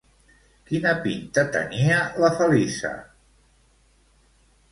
Quina pinta tenia la Feliça?